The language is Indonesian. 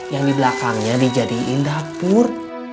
yang di belakangnya dijadikan dapur